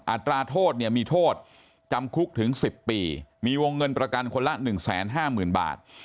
อัตราโทษเนี่ยมีโทษจำคุกถึง๑๐ปีมีวงเงินประกันคนละ๑๕๐๐๐บาท